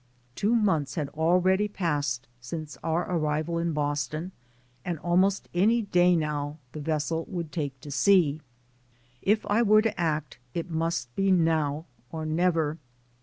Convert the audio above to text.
Two months had already passed since our arrival in Boston, and almost any day now the ves sel would take to sea. If I were to act it must be now or never.